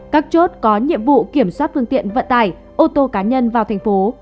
các chốt có nhiệm vụ kiểm soát phương tiện vận tải ô tô cá nhân vào thành phố